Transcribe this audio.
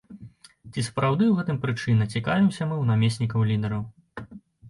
Ці сапраўды ў гэтым прычына, цікавімся мы ў намеснікаў лідараў.